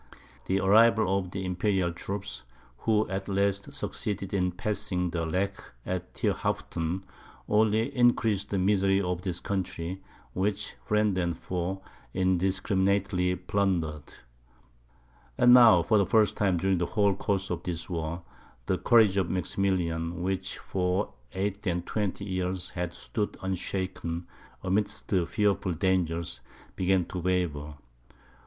The arrival of the Imperial troops, who at last succeeded in passing the Lech at Thierhaupten, only increased the misery of this country, which friend and foe indiscriminately plundered. And now, for the first time during the whole course of this war, the courage of Maximilian, which for eight and twenty years had stood unshaken amidst fearful dangers, began to waver.